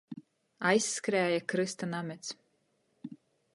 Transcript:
Aizskrēja krysta namets.